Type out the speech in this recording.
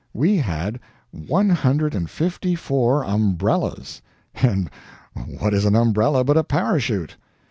We had one hundred and fifty four umbrellas and what is an umbrella but a parachute?